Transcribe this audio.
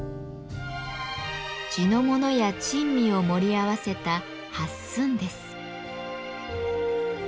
地のものや珍味を盛り合わせた「八寸」です。